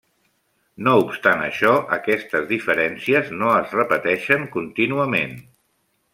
No obstant això, aquestes diferències no es repeteixen contínuament.